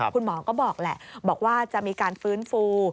คุณหมอก็บอกแหละบอกว่าจะมีการฟื้นฟู